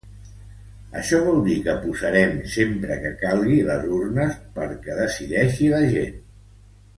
Això vol dir que posarem sempre que calgui les urnes perquè decideixi la gent.